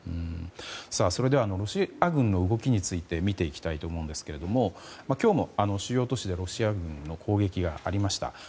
それではロシア軍の動きについて見ていきたいと思うんですが今日も主要都市でロシア軍の攻撃がありました。